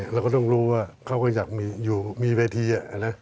เราก็ต้องรู้ว่าเขาก็อยากอยู่มีเวที